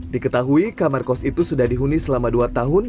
diketahui kamar kos itu sudah dihuni selama dua tahun